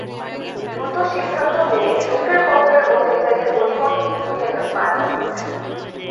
দ্রুত সিদ্ধান্ত নিয়ে চোখের পলকের মধ্যে প্লেনের গতিপথ ঘুরিয়ে নেন পাইলট।